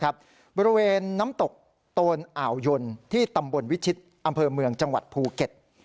บริเวณน้ำตกโตนอ่าวยนที่ตำบลวิชิตอำเภอเมืองจังหวัดภูเก็ต